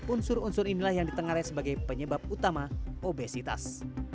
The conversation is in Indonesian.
unsur unsur inilah yang ditengarai sebagai penyebab utama obesitas